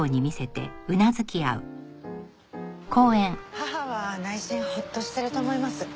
母は内心ホッとしてると思います。